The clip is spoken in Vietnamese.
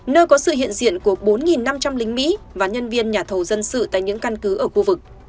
nơi có sự hiện diện của bốn năm trăm linh lính mỹ và nhân viên nhà thầu dân sự tại những căn cứ ở khu vực